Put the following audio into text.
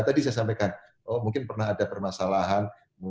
tadi saya sampaikan mungkin pernah ada permasalahan